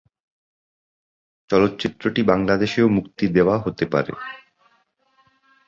চলচ্চিত্রটি বাংলাদেশেও মুক্তি দেয়া হতে পারে।